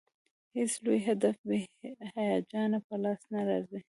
هېڅ لوی هدف بې هیجانه په لاس نه راځي.